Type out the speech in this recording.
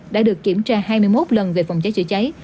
đã được kiểm tra hai mươi một lần về phòng cháy chữa cháy